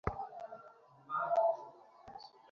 অনেক বড় দায়িত্ব আমার কাঁধে।